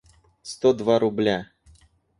сто два рубля